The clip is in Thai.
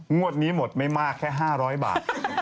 งวดนี้หมดไม่มากแค่๕๐๐บาท